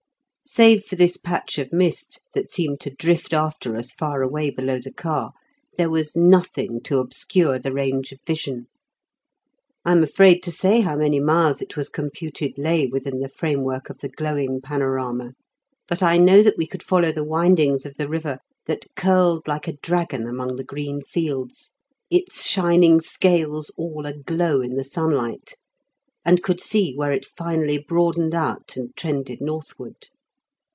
Save for this patch of mist, that seemed to drift after us far away below the car, there was nothing to obscure the range of vision. I am afraid to say how many miles it was computed lay within the framework of the glowing panorama. But I know that we could follow the windings of the river that curled like a dragon among the green fields, its shining scales all aglow in the sunlight, and could see where it finally broadened out and trended northward.